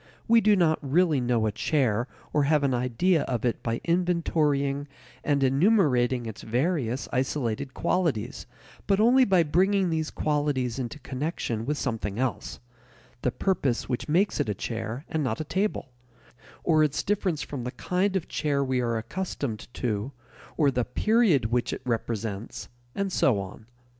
We do not really know a chair or have an idea of it by inventorying and enumerating its various isolated qualities, but only by bringing these qualities into connection with something else the purpose which makes it a chair and not a table; or its difference from the kind of chair we are accustomed to, or the "period" which it represents, and so on.